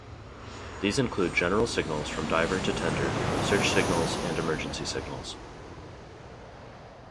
These include general signals from diver to tender, search signals and emergency signals.